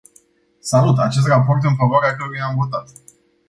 Salut acest raport, în favoarea căruia am votat.